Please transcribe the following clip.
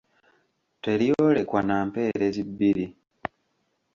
Teryolekwa na mpeerezi bbiri.